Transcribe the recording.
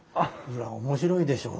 裏面白いでしょ？